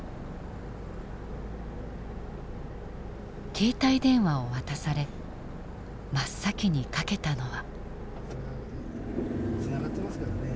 携帯電話を渡され真っ先にかけたのは。